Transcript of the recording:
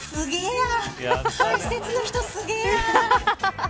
解説の人、すごいや。